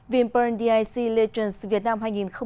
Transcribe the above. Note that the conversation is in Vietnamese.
vimpern dic legends việt nam hai nghìn hai mươi ba